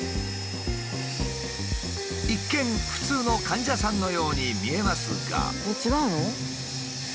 一見普通の患者さんのように見えますが。